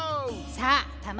さあたま